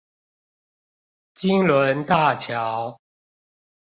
金崙大橋